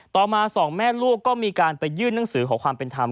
ต่อมาสองแม่ลูกก็มีการไปยื่นหนังสือขอความเป็นธรรม